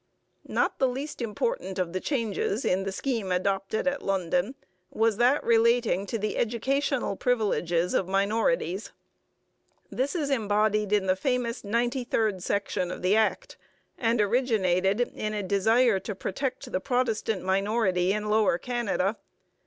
Not the least important of the changes in the scheme adopted at London was that relating to the educational privileges of minorities. This is embodied in the famous ninety third section of the Act, and originated in a desire to protect the Protestant minority in Lower Canada.